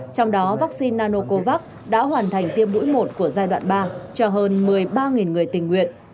trong đó vaccine nanocovax đã hoàn thành tiêm mũi một của giai đoạn ba cho hơn một mươi ba người tình nguyện